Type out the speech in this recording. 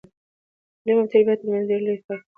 د تعليم او تربيه ترمنځ ډير لوي فرق دی